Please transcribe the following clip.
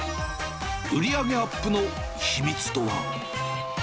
売り上げアップの秘密とは？